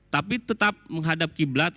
tapi tetap menghadap qiblat